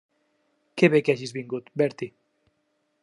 Què bé que hagis vingut, Bertie.